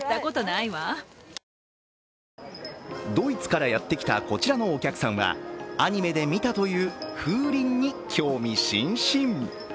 ドイツからやってきた、こちらのお客さんはアニメで見たという風鈴に興味津々。